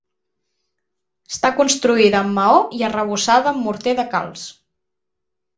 Està construïda amb maó i arrebossada amb morter de calç.